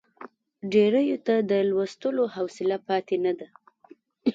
ډېریو ته د لوستلو حوصله پاتې نه ده.